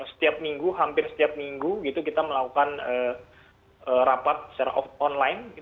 setiap minggu hampir setiap minggu kita melakukan rapat secara online